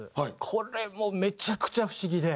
これもめちゃくちゃ不思議で。